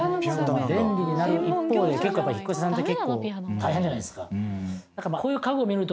便利になる一方で結構やっぱり引越し屋さんって結構大変じゃないですか